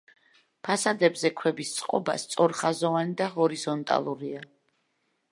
ფასადებზე ქვების წყობა სწორხაზოვანი და ჰორიზონტალურია.